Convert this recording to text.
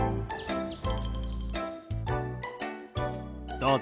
どうぞ。